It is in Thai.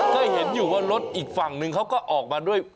ก็เห็นอยู่ว่ารถอีกฝั่งนึงเขาก็ออกมาด้วย